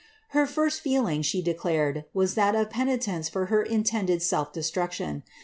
Her first feeling, she declared, was that of penitence for her intended selMestruction.